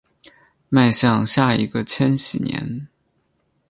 迈向下一个千禧年